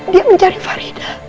dia mencari farida